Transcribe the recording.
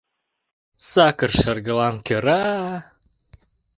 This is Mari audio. Сакыр шергылан кӧра